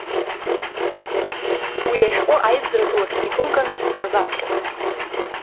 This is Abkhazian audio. Уи ашәҟәы аизара ду ахь икылганы ҳарзаԥхьап.